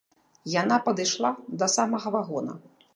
Яна падышла да самага вагона.